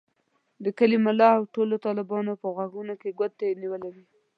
د کلي ملا او ټولو طالبانو په غوږونو کې ګوتې نیولې وې.